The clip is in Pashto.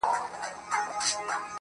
يوازې خپله ملکي او سرداري وساتئ